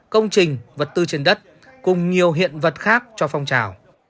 công trình vật tư trên đất cùng nhiều hiện vật khác cho phong trào